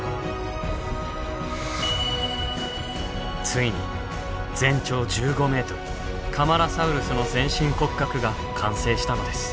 ついに全長１５メートルカマラサウルスの全身骨格が完成したのです。